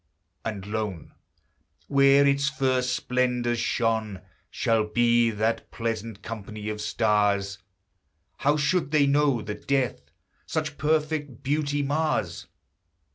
And lone, Where its first splendors shone, Shall be that pleasant company of stars: How should they know that death Such perfect beauty mars?